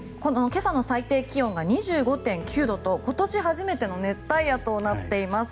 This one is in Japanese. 今朝の最低気温が２５．９度と今年初めての熱帯夜となっています。